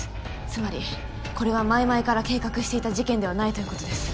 つまりこれは前々から計画していた事件ではないということです。